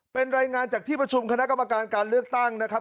เป็นรายงานจากที่ประชุมคณะกรรมการการเลือกตั้งนะครับ